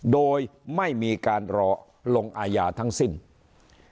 โดยไม่มีการรอลงอาญาทั้งสิ้น